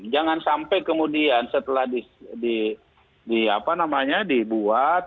jangan sampai kemudian setelah dibuat